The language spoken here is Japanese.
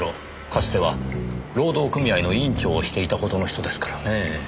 かつては労働組合の委員長をしていたほどの人ですからねぇ。